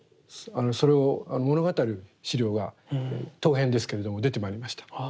それを物語る資料が陶片ですけれども出てまいりました。